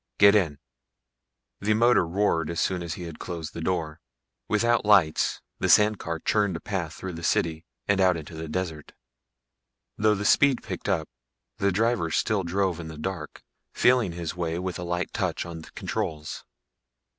"Get in." The motor roared as soon as he had closed the door. Without lights the sand car churned a path through the city and out into the desert. Though the speed picked up, the driver still drove in the dark, feeling his way with a light touch on the controls.